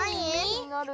きになる！